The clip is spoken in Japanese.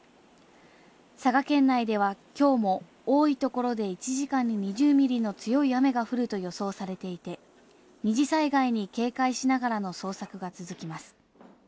佐賀県内では、きょうも多いところで１時間に２０ミリの強い雨が降ると予想されていて、二次災害に警戒しながらの捜索が続きます。